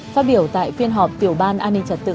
phát biểu tại phiên họp tiểu ban an ninh trật tự